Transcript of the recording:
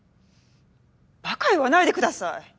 バカ言わないでください。